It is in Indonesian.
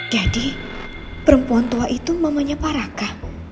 jadi perempuan tua itu mamanya pak raka